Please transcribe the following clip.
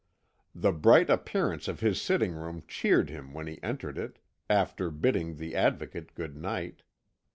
The bright appearance of his sitting room cheered him when he entered it, after bidding the Advocate good night.